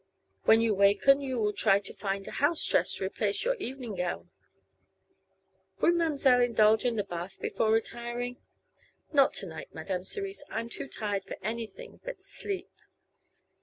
When you waken we will try to find a house dress to replace your evening gown. Will ma'm'selle indulge in the bath before retiring?" "Not to night, Madame Cerise. I'm too tired for anything but sleep!"